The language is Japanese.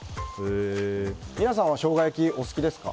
皆さんはショウガ焼きお好きですか。